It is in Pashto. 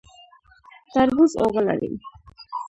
تربوز اوبه لري